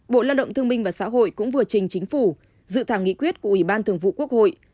bộ lao động thương minh và xã hội cũng vừa trình chính phủ dự thảo nghị quyết của ủy ban thường vụ quốc hội